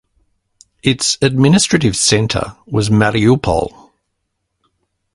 Its administrative centre was Mariupol.